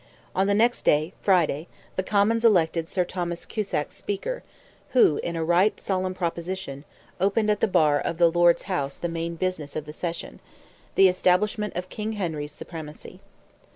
On the next day, Friday, the Commons elected Sir Thomas Cusack speaker, who, in "a right solemn proposition," opened at the bar of the Lords' House the main business of the session—the establishment of King Henry's supremacy.